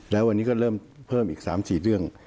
แล้ววันนี้ก็เริ่มเพิ่มอีก๓๔เรื่อง